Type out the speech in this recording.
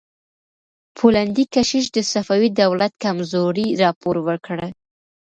پولندي کشیش د صفوي دولت کمزورۍ راپور ورکړ.